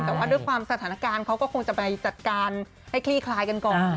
แต่ว่าด้วยความสถานการณ์เขาก็คงจะไปจัดการให้คลี่คลายกันก่อน